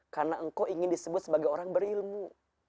karena engkau ingin disebut sebagai orang berilmu